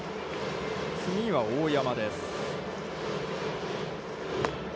次が大山です。